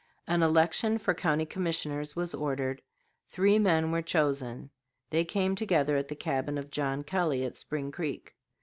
An election for county commissioners was ordered; three men were chosen; they came together at the cabin of John Kelly, at Spring Creek.